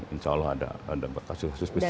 insya allah ada kasus kasus besar